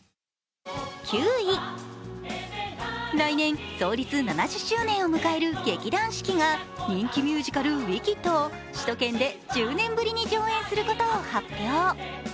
９位、来年創立７０周年を迎える劇団四季が人気ミュージカル「ウィキッド」を首都圏で１０年ぶりに上演することを発表。